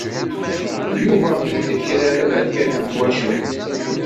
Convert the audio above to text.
D Yuba ay d akrar aberkan n twacult.